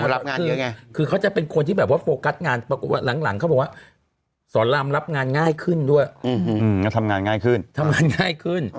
แล้วคุณหน่อยังทำงานง่ายขึ้นมั้ย